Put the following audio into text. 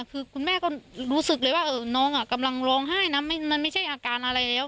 คือคุณแม่ก็รู้สึกเลยว่าน้องกำลังร้องไห้นะมันไม่ใช่อาการอะไรแล้ว